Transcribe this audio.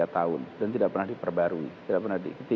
tiga tahun dan tidak pernah diperbarui